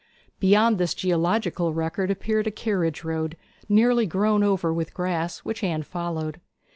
Beyond this geological record appeared a carriage road, nearly grown over with grass, which Anne followed.